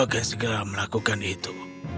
akan segera melakukan itu